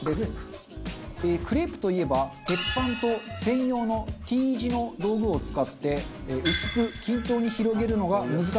クレープといえば鉄板と専用のＴ字の道具を使って薄く均等に広げるのが難しいスイーツ。